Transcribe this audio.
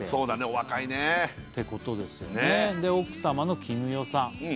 お若いねってことですよねで奥様の絹代さん